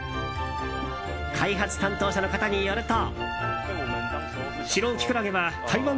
開発担当者の方によると。